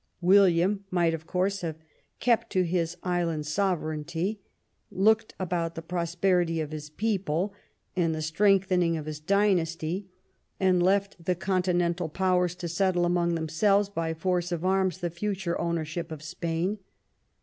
William might, of course, have kept to his island sovereignty, looked after the prosperity of his people and the strengthening of his dynasty, and left the continental powers to settle among themselves, by force of arms, the future ownership of Spain.